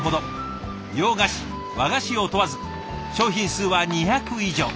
洋菓子和菓子を問わず商品数は２００以上。